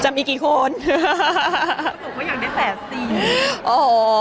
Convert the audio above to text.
จะมีกี่คนฮ่า